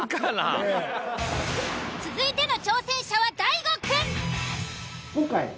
続いての挑戦者は大悟くん。